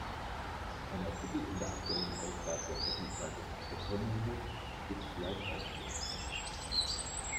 Ein Artikel in der aktuellen Ausgabe der Wochenzeitung "Economist" gibt vielleicht Aufschluss.